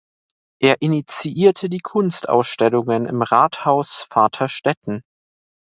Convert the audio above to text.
Er initiierte die Kunstausstellungen im Rathaus Vaterstetten.